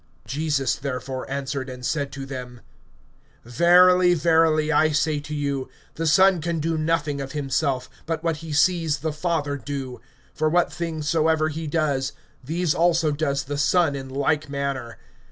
(19)Jesus therefore, answered and said to them: Verily, verily, I say to you, the Son can do nothing of himself, but what he sees the Father do; for what things soever he does, these also does the Son in like manner.